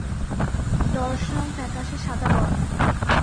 Dorsum ফ্যাকাশে সাদা বর্নের।